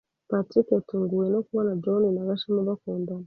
Patrick yatunguwe no kubona John na Gashema bakundana.